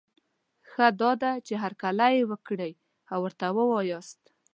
ښه دا ده، چي هرکلی یې وکړی او ورته وواياست